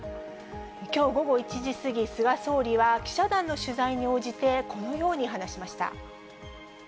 きょう午後１時過ぎ、菅総理は、記者団の取材に応じてこのように話しました。